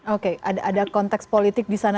oke ada konteks politik di sana